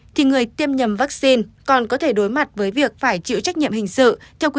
thì người tiêm nhầm vaccine còn có thể đối mặt với việc phải chịu trách nhiệm hình sự